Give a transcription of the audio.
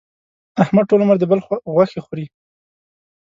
احمد ټول عمر د بل غوښې خوري.